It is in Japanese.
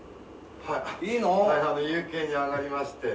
いいの？大変夕景に上がりまして。